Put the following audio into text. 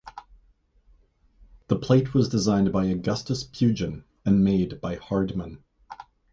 The plate was designed by Augustus Pugin and made by Hardman.